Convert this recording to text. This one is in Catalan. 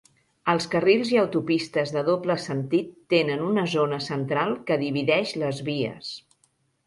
Els carrils i autopistes de doble sentit tenen una zona central que divideix les vies.